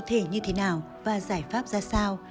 cụ thể như thế nào và giải pháp ra sao